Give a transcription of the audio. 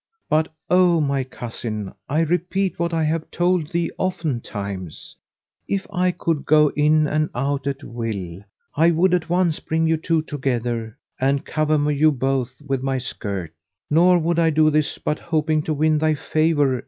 But, O my cousin, I repeat what I have told thee oftentimes, if I could go in and out at will, I would at once bring you two together and cover you both with my skirt: nor would I do this but hoping to win thy favour.